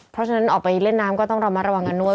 เพราะฉะนั้นออกไปเล่นน้ำก็ต้องระมัดระวังกันด้วย